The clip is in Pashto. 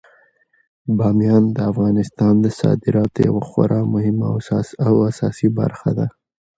بامیان د افغانستان د صادراتو یوه خورا مهمه او اساسي برخه ده.